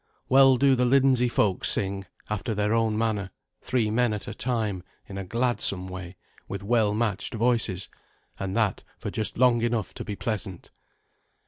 Well do the Lindsey folk sing, after their own manner, three men at a time, in a gladsome way, with well matched voices, and that for just long enough to be pleasant.